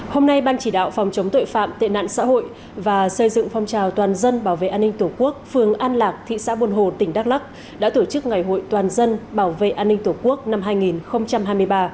hôm nay ban chỉ đạo phòng chống tội phạm tệ nạn xã hội và xây dựng phong trào toàn dân bảo vệ an ninh tổ quốc phường an lạc thị xã buôn hồ tỉnh đắk lắc đã tổ chức ngày hội toàn dân bảo vệ an ninh tổ quốc năm hai nghìn hai mươi ba